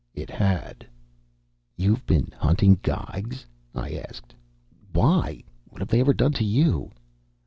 It had. "You've been hunting Geigs?" I asked. "Why? What've they ever done to you?"